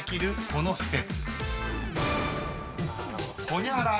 ［この施設］